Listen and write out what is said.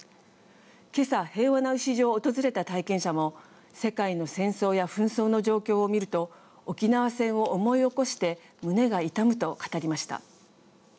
今朝、平和の礎を訪れた体験者も世界の戦争や紛争の状況を見ると沖縄戦を思い起こして胸が痛むと語りました。